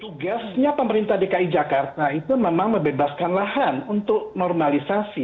tugasnya pemerintah dki jakarta itu memang membebaskan lahan untuk normalisasi